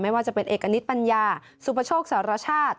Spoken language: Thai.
ว่าจะเป็นเอกณิตปัญญาสุปโชคสารชาติ